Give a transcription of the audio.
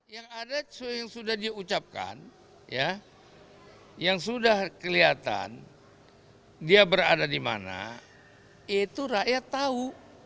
yang ada yang sudah diucapkan yang sudah kelihatan dia berada di mana itu rakyat tahu